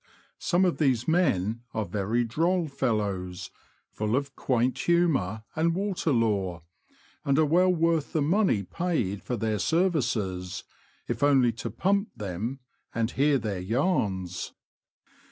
Some of these men are very droll fellows — full of quaint humour and w^ater lore, and are well worth the money paid for their services, if only to '' pump " them, and hear their yarns.